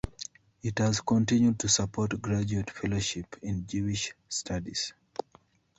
It has continued to support graduate fellowships in Jewish studies.